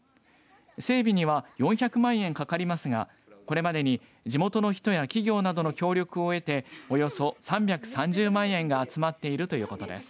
整備には４００万円かかりますがこれまでに地元の人や企業などの協力を得ておよそ３３０万円が集まっているということです。